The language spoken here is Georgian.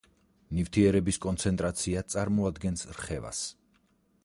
ნივთიერების კონცენტრაცია წარმოადგენს რხევას.